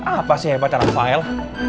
apa sih hebat rafael